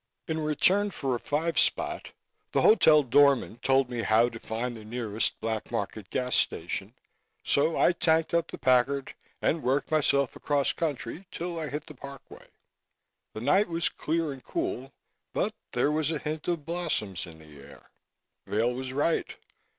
In return for a five spot the hotel door man told me how to find the nearest Black Market gas station, so I tanked up the Packard and worked myself across country until I hit the Parkway. The night was clear and cool but there was a hint of blossoms in the air. Vail was right.